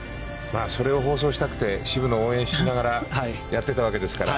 それを放送したくて渋野を応援しながらやっていたわけですから。